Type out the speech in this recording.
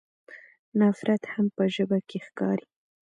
نفرت هم په ژبه کې ښکاري.